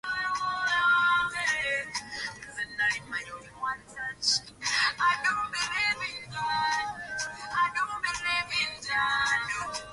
wanasheria wanazidi kusema kwamba hakuna fafanuzi mbadala